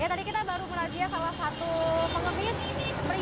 ya tadi kita baru merazia salah satu pengemis ini